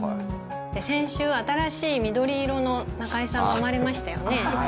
先週、新しい緑色の中居さんが生まれましたよね。